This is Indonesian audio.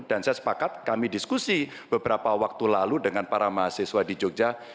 dan saya sepakat kami diskusi beberapa waktu lalu dengan para mahasiswa di jogja